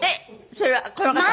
それはこの方の？